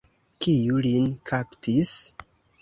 Kiu lin kaptis?